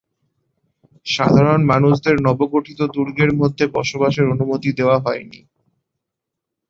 সাধারণ মানুষদের নবগঠিত দুর্গের মধ্যে বসবাসের অনুমতি দেওয়া হয়নি।